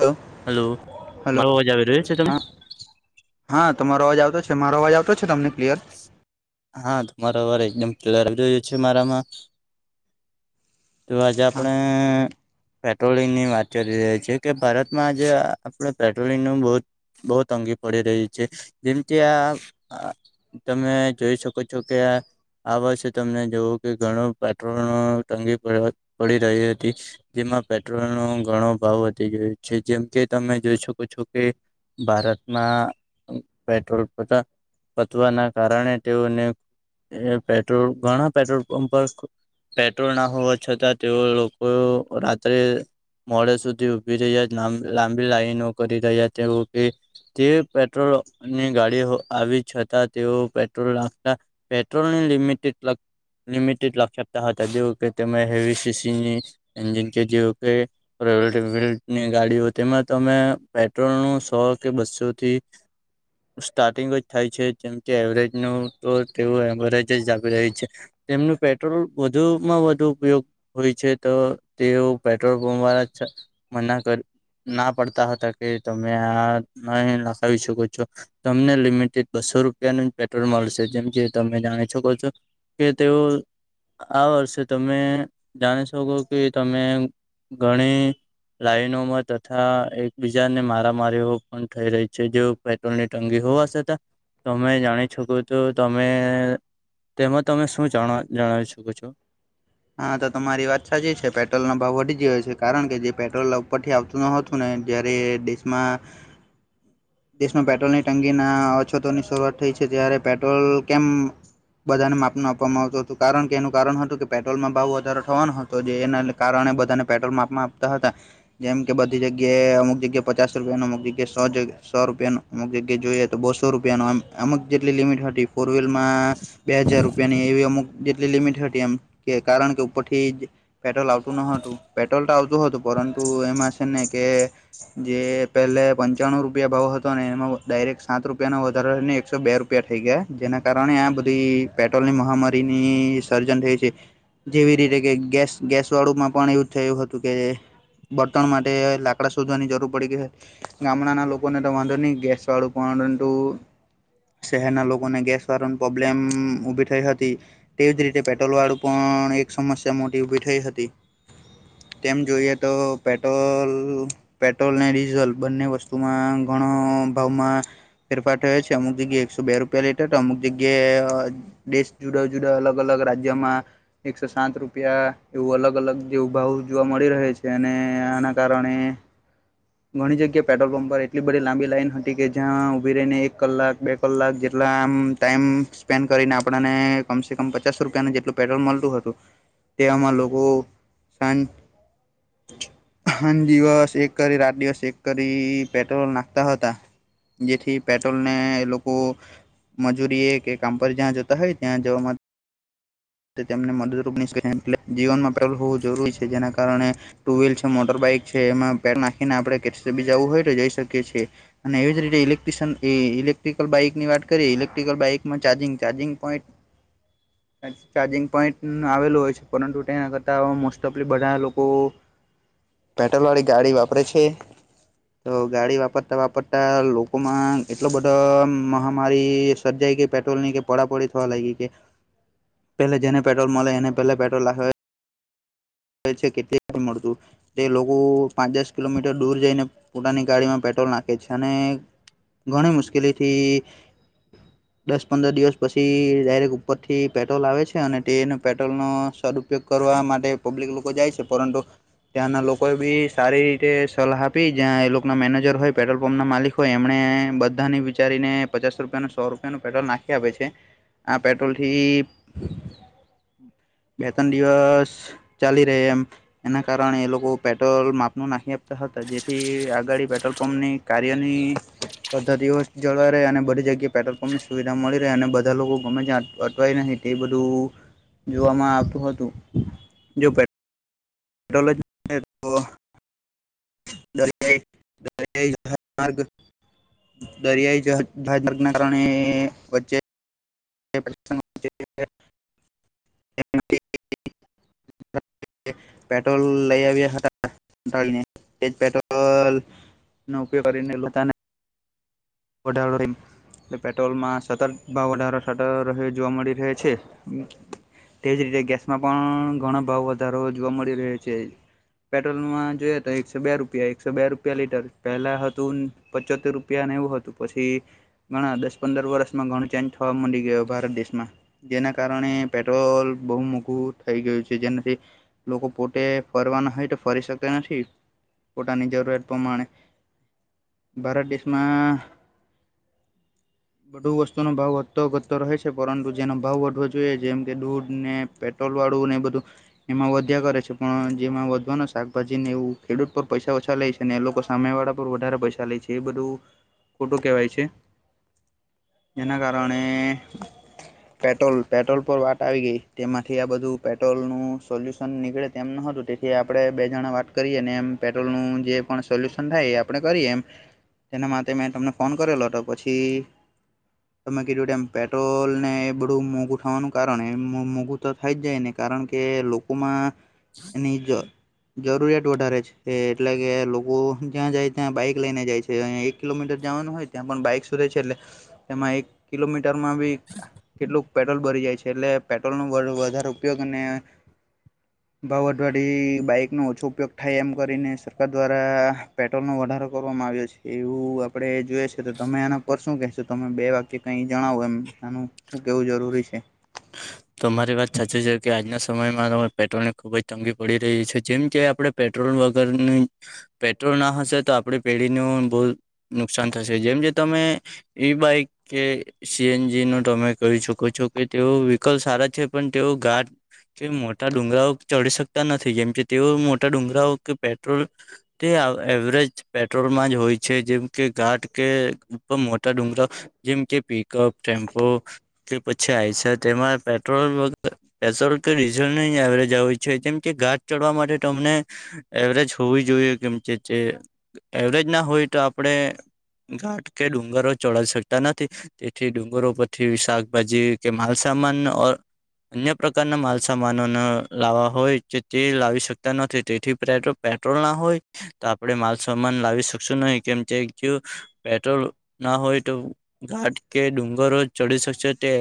Hello, hello, મારો અવાજ આવી રહ્યો છે તમે હા હા તમારો અવાજ આવતો. મારો અવાજ આવ હા તમારો વાર એકદમ ત્યારથી મારામાં તો આજે હા આપણે પેટ્રોલિંગ ની વાત કરી રહ્યા છે, કે ભારતમાં આજે આપડે પેટ્રોલિંગ નું બોવ બોવ તંગી પડી રહી છે, જેમકે આ તમે જોઈ શકો છો, કે આ વર્ષે તમને જોવું કે ઘણો પેટ્રોલ તંગી પડી રહી હતી. પેટ્રોલ નો ઘણો ભાવ વધી ગયો છે, જેમ કે તમે જોઈ શકો છો કે ભારતમાં પેટ્રોલપંપ હતા પતવાના કારણે તેઓને પેટ્રોલ ઘણા પેટ્રોલ પંપ પર. પેટ્રોલ ના હોવા છતાં તેઓ લોકો રાત્રે મોડે સુધી ઉભી રહ્યા લાંબી લાઈનો કરી રહ્યા તેઓએ. તેવી પેટ્રોલની ગાડી આવી. છતાં તેઓ પેટ્રોલ નાખતા પેટ્રોલની લિમિટેડ લિમિટેડ રાખતા હતા જેવી કે તે હેવી સસીની એન્જિન કે જેવી કે ની ગાડીઓ તેમાં તમે પેટ્રોલ ને સો કે બસોથી સ્ટાર્ટિંગ જ થાય છે જેમ કે એવરેજ નું તો તેઓ એવરેજ જ રહી છે તેમનું પેટ્રોલ વધુમાં વધુ ઉપયોગ હોય છે તો તેઓ પેટ્રોલપંપ વાળા મના કર ના પડતા હતા કે તમે આ ન લખાવી શકો છો તમને લિમિટ બસો રૂપિયાનું જ પેટ્રોલ મળશે જેમ કે તમે જાણી શકો છો કે તેઓ આ વર્ષે તમે જાણી શકો કે તમે ઘણી લાઈનોમાં હતા. તથા એકબીજાને મારામારી પણ થઈ રહી છે જે પેટ્રોલ ની તંગી હોવા છતાં તમે જાણી શકો તો તમે તેમાં તમે શું જણાવી શકો છો હા તો તમારી વાત સાચી છે પેટ્રોલ નો ભાવ વધી ગયો છે કારણ કે જે પેટ્રોલ ઉપરથી આવતુ હતું ને જ્યારે દેશમાં દેશમાં પેટ્રોલની તંગી ના હોવા છતાં અછતોની શરૂઆત થઈ છે ત્યારે પેટ્રોલ કેમ બધાને માપનું આપવામાં આવતું હતું કારણ કે એનું કારણ હતું કે પેટ્રોલમાં ભાવ વધારો થવાનો હતો જે એના કારણે ને બધાને પેટ્રોલ માપમાં આપતા હતા જેમ બધી જગ્યાએ અમુક જગ્યા પચાસ રૂપિયાનું અમુક જગ્યા સો જગ્યા સો રૂપિયા ન અમુક જગ્યા જોઈએ તો બસો રુપિયાનું અમુક જેટલી લિમિટ હતી ફોરવ્હીલમાં બે હજાર રૂપિયાની એવી અમુક જેટલી લિમિટ હતી એમ કે કારણ કે ઉપરથી પેટ્રોલ આવતું ન હતું પેટ્રોલ તો આવતું હતું. પરંતુ એમાં ને કે જે પહેલે પંચાણું રૂપિયા ભાવ હતો ને એમાં ડાયરેક્ટ સાત રૂપિયાનો વધારો એકસો બે રૂપિયા થઈ ગયા જેના કારણે આ બધી પેટ્રોલ ની મહામારીની સર્જન થઈ. થી જેવી રીતે કે ગેસ ગેસ વાળુંમાં પણ એવું થયું હતું કે બર્તણ માટે દેય લાકડા શોધવાની જરૂર પડી ગઈ ગામડાના લોકોને તો વાંધો નહી ગેસ વાળું પરંતુ શહેરના લોકોને ગેસ વાળા પ્રોબ્લેમ ઉભી થઈ હતી તેવી જ રીતે પેટ્રોલ વાળું પણ પણ સમસ્યા મોટી ઉભી થઈ હતી તેમ જોઈએ તો પેટ્રોલ પેટ્રોલ પેટ્રોલ અને ડીઝલ બંને વસ્તુમાં ઘણો ભાવમાં ફેરફાર થયો છે અમુક જગ્યાએ એકસો બે રૂપિયા લીટર અમુક જગ્યાએ દેશ જુદા જુદા અલગ અલગ અ રાજ્યમાં એકસો સાત રૂપિયા એવું અલગ અલગ જેવ ભાવ જોવા મળી રહે છે અને એના કારણે ઘણી જગ્યા પેટ્રોલ પંપ પર એટલી બધી લાંબી લાઈન હતી કે જ્યાં ઉભી રહીને એક કલાક બે કલાક જે એટલે આમ ટાઈમ સ્પેન્ડ કરીને આપણને કમસે કમ પચાસો રૂપિયાને જેટલું પેટ્રોલ મળતું હતું. તે આમાં લોકો સાંજ દિવસ એક કરી રાત દિવસ એક કરી પેટ્રોલ નાખતા હતા. જેથી પેટ્રોલ ને એ લોકો મજૂરી એ કે કંપારી જ્યાં જતા હોય ત્યાં જવામાં તેમને મદદરૂપની જીવનમાં પહેલું હોવું જરૂરી છે જેના કારણે ટુ વ્હીલ છે મોટર બાઈક છે, એમાં પેટ્રોલ નાખીને આપડે કઈ બી જવું હોય તો જઈ શકીએ છીએ અને એવી જ રીતે ઇલેક્ટ્રશન ઇલેક્ટ્રિકલ બાઈકની વાત કરીએ ઇલેક્ટ્રિકલ બાઈક માં charging charging point. [unintelligible] Charging point આવેલું હોય છે પરંતુ તેના કરતાં મોસ્ટ ઓફલી બધા લોકો પેટ્રોલ વાળી ગાડી વાપરે છે. તો ગાડી વાપરતા વાપરતા લોકોમાં એટલો બધો મહામારી સર્જાય. ઈ કે પેટ્રોલની કે પડાપડી થવા લાગી કે પહેલે જેને પેટ્રોલ મલે એને પહેલે પેટ્રોલ લાખવા છે કે તે પણ મળતું. તે લોકો પાંચ દસ કિલોમીટર દૂર જઈને પોતાની ગાડીમાં પેટ પેટ્રોલ નાખે છે. અને ઘણી મુશ્કેલીથી દસ પંદર દિવસ પછી ડાયરેક્ટ ઉપરથી પેટ્રોલ આવે છે. અને તે એનો પેટ્રોલનો સદ ઉપયોગ કરવા માટે પબ્લિક લોકો જાય છે. પરંતુ ત્યાંના લોકોએ બી સારી રીતે સલાહ આપી. જ્યાં એ લોકના મેનેજર હોય પેટ્રોલ પંપના માલિક હોય એમણે ને બધાની વિચારીને પચાસ રૂપિયાનું સો રૂપિયાનું પેટ્રોલ નાખી આપે છે. આ પેટ્રોલથી બે તન દિવસ ચાલી રહે એમ એના કારણે એ લોકો પેટ્રોલ માપનું નાખી આપતા હતા. જેથી આ ગાડી પેટ્રોલ પંપની કાર્યની પદ્ધતિઓ જળવાઈ રહે અને બધી જગ્યાએ પેટ્રોલ પંપની સુવિધા મળી રહે અને બધ બધા લોકો ગમે ત્યાં અટવાય નહી. તે બધું જોવામાં આવતું હતું. જો પે પટ્રોલ જ ન હોય તો દરેક દરેક માર્ગ દરિયાઈ જહાજ [inaudible] કારણે વચ્ચે [inaudible] [inaudible] પેટ્રોલ લઈ આવ્યા હતા [inaudible] તે જ પેટ્રોલ નો ઉપયોગ કરીને એ [inaudible] વઢાવઢીમાં એ પેટ્રોલમાં સતત ભાવ વધારો થતો રહ્યો જોવા મળી રહે છે. તે જ રીતે ગેસમાં પણ ઘણો ભાવ વધારો જોવા મળી રહ્યો છે. પેટ્રોલમાં જોઈએ તો એકસો બે રૂપિયા એકસો બે રૂપિયા લીટર પહેલા હતું. પચોતેર રૂપિયાને એવું હતું. પછી ઘણા દસ પંદર વર્ષમાં ઘણું ચેન્જ થવા મંડી ગયો. ભારત દેશમાં જેના કારણે ને પેટ્રોલ બહુ મોઘું થઈ ગયું છે. જેનાથી લોકો પોતે ફરવાના હોય તો ફરી શક તા નથી. પોતાની જરૂરિયાત પ્રમાણે ભારત દેશમાં [inaudible] બધુ વસ્તુનો ભાવ વધતો વધતો રહે છે. પરંતુ જેનો ભાવ વધવો જોઈએ. જેમ કે દૂધ ને પેટ્રોલ વા વાળું ને એ બધું એમાં વધ્યા કરે છે. પણ જેમાં વધવાના શાકભાજી ને એવું ખેડૂત પર પૈસા ઓછા લે છે ને એ લોકો સામે વાળા પર વધારે પૈસા લે છે. એ બધું ખોટું કેહેવાય છે. જેના કારણે પેટ્રોલ પેટ્રોલ પર વાત આવી ગઈ. તેમાંથી આ બધું પેટ્રોલનું સોલ્યુશન નીકળે તેમ ન હતું. તેથી આપણે બે જણા વાત કરીએ ને એમ પેટ્રોલનું જે પણ સોલ્યુશન થાય એ આપણે કરીએ એમ તેના માટે મેં તમને ફોન કરેલો હતો. પછી તમે કીધું તેમ પેટ્રોલને એ બધું મોઘું થવાનું કારણ એમ મોંઘું તો થાઈ જ જાય ને કાર કારણ કે લોકોમાં એની જ જરૂરિયાત વધારે છે. એટલે કે લોકો જ્યાં જાય ત્યાં બાઈક લઈને જાય છે. અને એક કિલોમીટર જાવાનું હોય ત્યાં પણ બાઈક સુલે છે એટલે તેમાં એક કિલોમીટરમાં બી કેટલું પેટ્રોલ બરી જાય છે. એટલે પેટ્રોલનો વ વધારે ઉપયોગ અને ભાવ વધવાથી બાઈકનો ઓછો ઉપયોગ થાય એમ કરીને સરકાર દ્વારા પેટ્રોલનો વધારો કરવામાં આવ્યો છે. એવું આપડે જોઈએ છે તો તમે આના પર શું કેહશો? તમે બે વાક્ય કઈ જણાવો એમ આનું શું કેવું જરૂરી છે? તમારી વાત સાચી છે. કે આજના સમય માં પેટ્રોલની ખુબ જ તંગી પડી રહી છે. જેમ કે આપણે પેટ્રોલ વગરની પેટ્રોલ ન હશે તો આપડી પેઢીનું બહુ નુકસાન થશે. જેમ કે તમે ઈ બાઈક કે સીએનજીનું તમે કહી શકો છો કે તેઓ વ્હીકલ સારા છે. પણ તેઓ ગાઢ કે મોટા ડુંગરાઓ ચડી શકતા નથી. જેમ કે તેઓ મોટા ડુંગરાઓ કે પેટ્રોલ તે એવરેજ પેટ્રોલમાં જ હોય છે. જેમ કે ઘાટ કે ઉપર મોટા ડુંગરા જેમ કે પિકઅપ ટેમ્પો, કે પછે આઈસ તેમાં પેટ્રોલ પેટ્રોલ કે ડીઝલની એવરેજ આવે છે જેમ કે ઘાટ ચડવા માટે તો તમને એવરેજ હોવી જોઈએ કેમ એવરેજ ના હોય તો આપણે ઘાટ કે ડુંગરો ચઢી શકતા નથી તેથી ડુંગરો પરથી શાકભાજી કે માલસામન અન્ય પ્રકારના માલસામાનો ના લાવવા હોય તો તે લાવી શકતા નથી તેથી પેટ્રોલ ના હોય તો આપડે માલ સમાન લાવી શકશું નહી કેમ કે પેટ્રોલ ના હોય તો ઘાટ કે ડુંગરો ચડી શકશે તે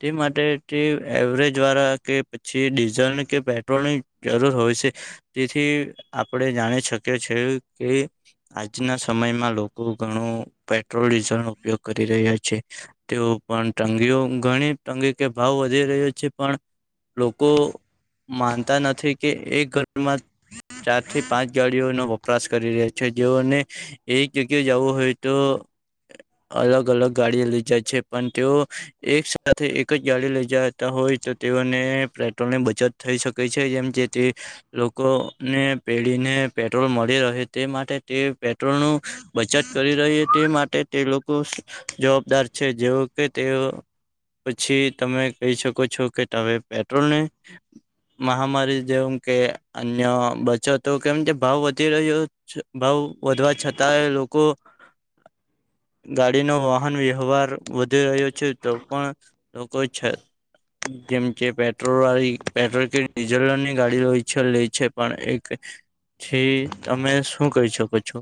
તે માટે તે એવરેજવાળા કે પછી ડીઝલની કે પેટ્રોલની જરૂર હોય છે. તેથી આપણે જાણી શકીએ છીએ કે આજના સમયમાં લોકો ઘણું પેટ્રોલ ડીઝલનો ઉપયોગ કરી રહ્યા છે તેઓ પણ તંગીઓ ઘણી તંગી કે ભાવ વધી રહ્યો છે પણ લોકો માનતા નથી કે એ ઘરમાં ચાર થી પાંચ ગાડીઓનો વપરાશ કરી રહ્યા છે જેઓને એક જગ્યા જવું હોય તો અલગ અલગ ગાડીઓ લઈ જાય છે, પણ તેઓ એક સાથે એક જ ગાડી લઈ જતા હોય તો તેઓને પેટ્રોલની બચત થઈ શકે છે એમ જેથી લોકોને પેઢીને પેટ્રોલ મળી રહે તે માટે તે પેટ્રોલનું બચત કરી રહી તે માટે તે લોકો જવાબદાર છે જેઓ કે તેઓ પછી તમે કહી શકો છો કે તમે પેટ્રોલને મહામારી જેવું કે અન્ય બચત તો કેમકે ભાવ વધી રહ્યો છે ભાવ વધવા છતાં લોકો ગાડીનો વાહન વ્યવહાર વધી રહ્યો છે તો પણ લોકો છે. જેમ કે પેટ્રોલ વાળી પેટ્રોલ કે ડીઝલની ગાડી હોય છે લે છે પણ એક થી તમે શું કરી શકો છો.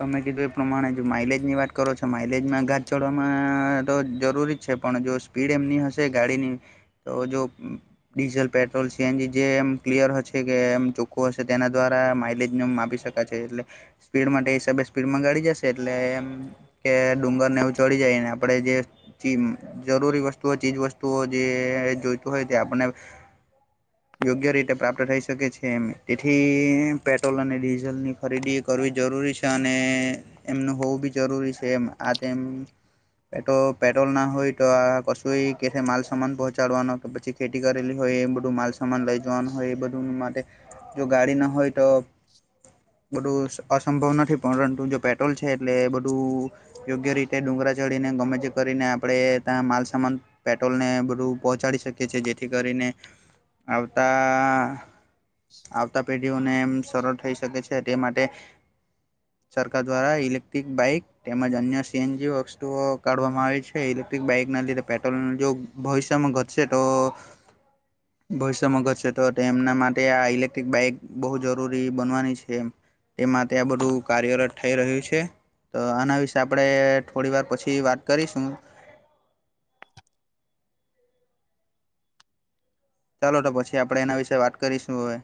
તમે કીધું એ પ્રમાણે જો માઈલેજ ની વાત કરો છો માઈલેજમાં ઘાટ ચડવામાં તો જરૂરી છે પણ જો સ્પીડ એમની હશે ગાડીની તો જો ડીઝલ, પેટ્રોલ, સીએનજી જે એમ ક્લિયર હશે કે એમ ચોખ્ખું હશે તેના દ્વારા માઇલેજને માપી શકાય છે એટલે સ્પીડ માટે હિસાબે સ્પીડમાં ગાડી જશે એટલે એમ કે ડુંગર ને એવું ચડી જાયને આપણે જે [unintelligible] જરૂરી વસ્તુઓ ચીજવસ્તુઓ જે જોઈતું હોય તે આપને [inaudible] યોગ્ય રીતે પ્રાપ્ત થઈ શકે છે એ તેથી પેટ્રોલ અને ડીઝલ ની ખરીદી કરવી જરૂરી છે અને એમનું હોવું ભી જરૂરી છે એમ આ તેમ પેટો પેટ્રોલ ના હોય તો આ કશું કે માલ સમાન પહોંચાડવાનો કે પછી ખેતી કરેલી હોય એ બધું માલસા સામાન લઈ જવાનું હોય એ બધું માટે જો ગાડી ના હોય તો બધું અસંભવ નથી પરંતુ જો પેટ્રોલ છે એટલે બધું યોગ્ય રીતે ડુંગરા ચઢીને ગમે તે કરી ને આપણે માલસામાન પેટ્રોલ ને બધું પહોંચાડી શકીએ છીએ જેથી કરીને આવતા આવતા પેઢીઓને એમ સરળ થઈ શકે છે. છે તે માટે સરકાર દ્વારા ઇલેક્ટ્રિક બાઈક તેમજ અન્ય સીએનજી વસ્તુઓ કાઢવામાં આવે છે, ઇલેક્ટ્રિક બાઈક બાઇક ના લીધે પેટ્રોલ જો ભવિષ્યમાં ઘટશે તો ભવિષ્યમાં ઘટશે તો એમના માટે આ ઇલેક્ટ્રિક બાઈક બહુ જરૂરી બનવાની છે એ તેમાં તે આ બધું કાર્યરત થઈ રહ્યું છે. તો આના વિશે આપણે થોડી વાર પછી વાત કરીશું. [unintelligible] [inaudible] ચાલો તો પછી આપણેે એના વિશેે વાત કરીશું હવે